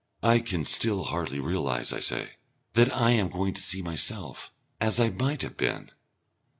"I can still hardly realise," I say, "that I am going to see myself as I might have been."